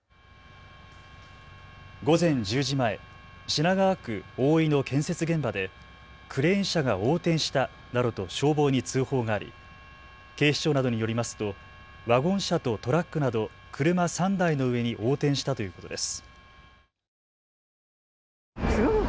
午前１０時前、品川区大井の建設現場でクレーン車が横転したなどと消防に通報があり警視庁などによりますとワゴン車とトラックなど車３台の上に横転したということです。